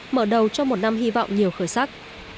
mở đầu cho một năm hy vọng nhiều khởi sắc